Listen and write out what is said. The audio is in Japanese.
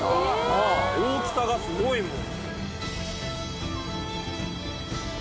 ・大きさがすごいもん。